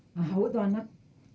mahu tuh anak